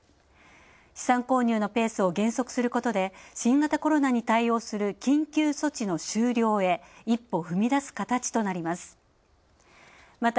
資産購入のペースを減速することで、新型コロナに対する緊急措置の終了へ、一歩踏み出す形となります。